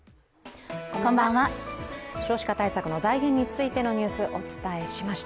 少子化対策の財源についてのニュース、お伝えしました。